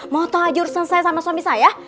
mau tau aja urusan saya sama suami saya